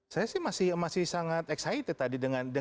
saya sih masih sangat excited tadi dengan